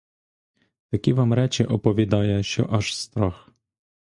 Такі вам речі оповідає, що аж страх!